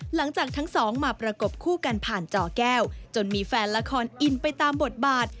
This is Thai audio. หลังจากทั้งสองมาประกบคู่กันผ่านจอแก้วจนมีแฟนละครอินไปตามบทบาท